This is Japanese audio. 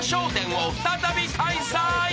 １０を再び開催！